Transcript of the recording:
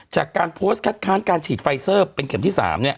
จากการโพสต์ค้านการฉีดไฟเซอร์เป็นเหตุที่๓เนี่ย